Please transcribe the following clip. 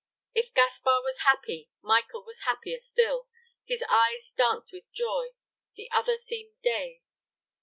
If Gaspar was happy, Michael was happier still; his eyes danced with joy; the other seemed dazed.